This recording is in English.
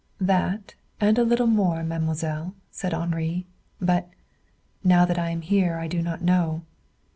"That, and a little more, mademoiselle," said Henri. "But now that I am here I do not know."